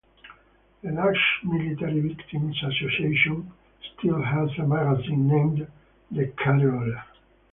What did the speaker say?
The Dutch Military Victims Association still has a magazine named "the Kareoler".